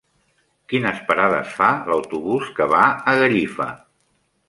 Quines parades fa l'autobús que va a Gallifa?